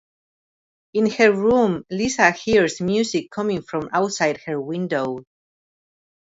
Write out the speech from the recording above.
In her room, Lisa hears music coming from outside her window.